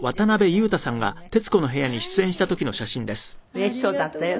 うれしそうだったよ